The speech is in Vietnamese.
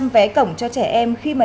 một trăm linh vé cổng cho trẻ em khi mà